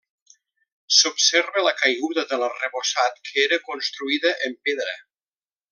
S'observa la caiguda de l'arrebossat que era construïda en pedra.